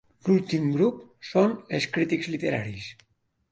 L'últim grup són els crítics literaris.